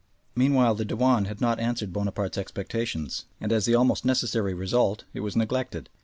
Meanwhile the Dewan had not answered Bonaparte's expectations, and as the almost necessary result it was neglected.